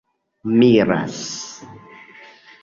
miras